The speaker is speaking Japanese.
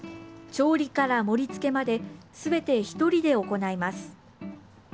調理から盛りつけまですべて１人で行います。